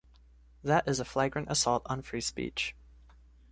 That is a flagrant assault on free speech.